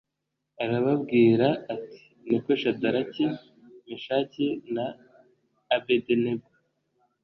arababwira ati niko Shadaraki Meshaki na Abedenego